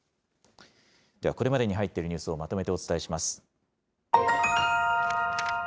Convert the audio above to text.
では、これまでに入っているニュースをまとめてお伝えします。